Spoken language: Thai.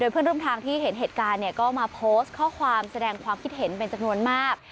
เพื่อนร่วมทางที่เห็นเหตุการณ์ก็มาโพสต์ข้อความแสดงความคิดเห็นเป็นจำนวนมาก